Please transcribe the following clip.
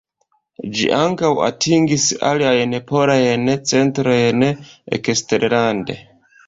Ĝi ankaŭ atingis aliajn polajn centrojn eksterlande.